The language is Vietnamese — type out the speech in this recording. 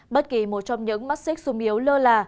bất kỳ một trong những mắt xích sung yếu lơ là